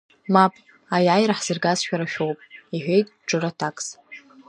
Мап, аиааира ҳзыргаз шәара шәоуп, — иҳәеит Џыр аҭакс.